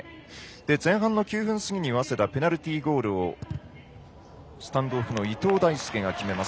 前半の９分過ぎに早稲田ペナルティゴールをスタンドオフの伊藤大祐が決めます。